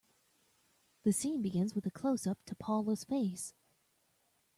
The scene begins with a closeup to Paula's face.